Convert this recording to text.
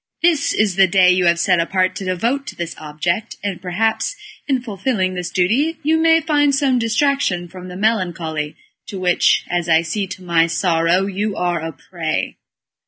This is the day you have set apart to devote to this object, and perhaps in fulfilling this duty you may find some distraction from the melancholy to which, as I see to my sorrow, you are a prey."